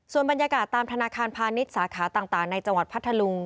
ส่วนบรรยากาศตามธนาคารพาณิชย์สาขาต่างในจังหวัดพัทธลุง